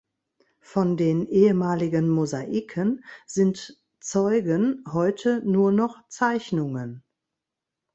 Von den ehemaligen Mosaiken sind zeugen heute nur noch Zeichnungen.